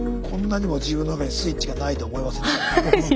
こんなにも自分の中にスイッチがないと思いませんでしたね。